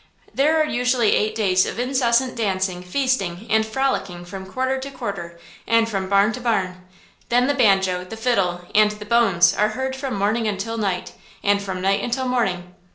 There are usually eight days of incessant dancing, feasting and frolicking from quarter to quarter, and from barn to barn. Then the banjo, the fiddle and the "bones" are heard from morning until night, and from night until morning.